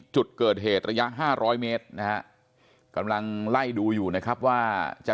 จุดเกิดเหตุระยะ๕๐๐เมตรนะฮะกำลังไล่ดูอยู่นะครับว่าจะ